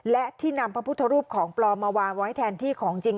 และที่นำพระพุทธรูปของปลอมมาวางไว้แทนที่ของจริง